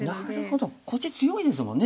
こっち強いですもんね